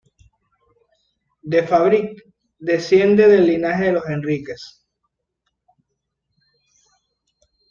De Fadrique desciende el linaje de los Enríquez.